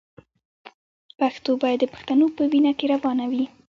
پښتو باید د پښتنو په وینه کې روانه وي.